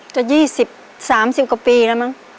จะ๒๐๓๐กว่าปีแล้วมั้ง